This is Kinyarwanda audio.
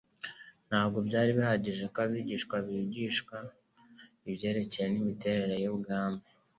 Ntabwo byari bihagije ko abigishwa bigishwa ibyerekeranye n'imiterere y'ubwami.